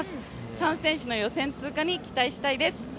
３選手の予選通過に期待したいです